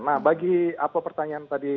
nah bagi apa pertanyaan tadi